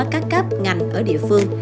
các cấp ngành ở địa phương